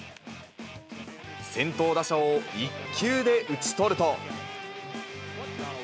先頭打者を１球で打ち取ると。